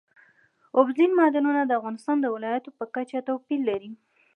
اوبزین معدنونه د افغانستان د ولایاتو په کچه توپیر لري.